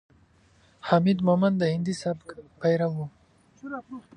حمید مومند د هندي سبک پیرو ؤ.